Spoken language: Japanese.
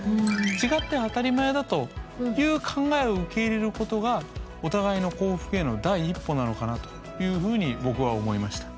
違って当たり前だという考えを受け入れることがお互いの幸福への第一歩なのかなというふうに僕は思いました。